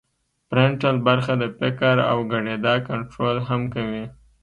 فرنټل برخه د فکر او ګړیدا کنترول هم کوي